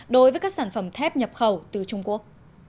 đối với các sản phẩm thép nhập khẩu từ trung quốc